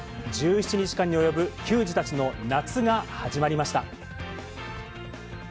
１７日間に及ぶ球児たちの夏が始まりました。